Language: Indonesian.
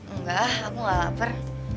enggak aku gak lapar